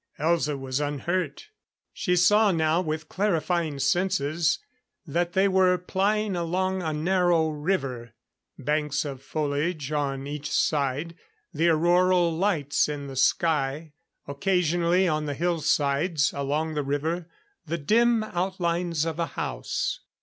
Elza was unhurt. She saw now, with clarifying senses, that they were plying along a narrow river. Banks of foliage on each side; the auroral lights in the sky; occasionally on the hillsides along the river, the dim outlines of a house.